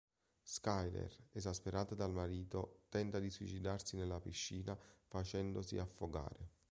Skyler, esasperata dal marito, tenta di suicidarsi nella piscina facendosi affogare.